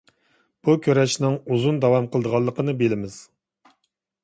بۇ كۈرەشنىڭ ئۇزۇن داۋام قىلىدىغانلىقىنى بىلىمىز.